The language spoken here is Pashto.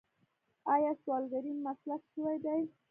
آیا سوالګري مسلک شوی دی؟